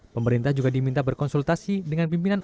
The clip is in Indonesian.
pemerintah juga diminta berkonsultasi dengan pimpinan